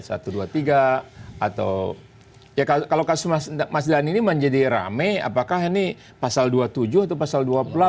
satu dua tiga atau ya kalau kasus masjid ini menjadi rame apakah ini pasal dua puluh tujuh atau pasal dua puluh delapan